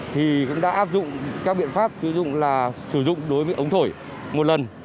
thì cũng đã áp dụng các biện pháp sử dụng đối với ống thổi một lần